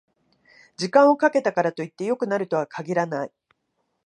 時間をかけたからといって良くなるとは限らない